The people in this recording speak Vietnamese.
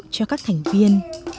cho các thành viên